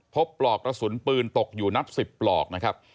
ปลอกกระสุนปืนตกอยู่นับ๑๐ปลอกนะครับ